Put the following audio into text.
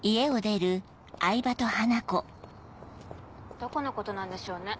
どこのことなんでしょうね？